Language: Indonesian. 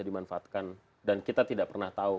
dimanfaatkan dan kita tidak pernah tahu